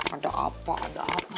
ada apa ada apa